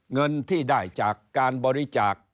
เงินที่ได้จากการบริจาค